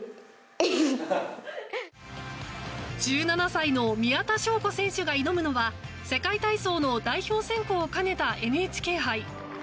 １７歳の宮田笙子選手が挑むのは世界体操の代表選考を兼ねたＮＨＫ杯。